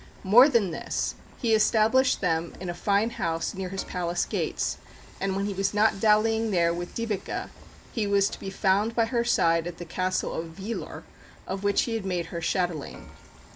More than this, he established them in a fine house near his palace gates; and when he was not dallying there with Dyveke, he was to be found by her side at the Castle of Hvideur, of which he had made her chatelaine.